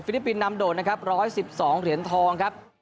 ฟิลิปปินนำโดนนะครับร้อยสิบสองเหรียญทองครับ